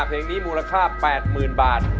เพลงนี้มูลค่าแปดหมื่นบาท